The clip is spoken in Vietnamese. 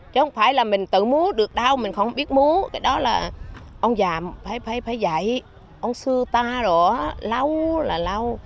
chứ không phải là mình tự múa được đâu mình không biết múa cái đó là ông già phải dạy ông sư ta rồi lâu là lâu